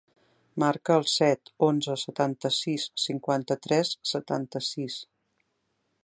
Marca el set, onze, setanta-sis, cinquanta-tres, setanta-sis.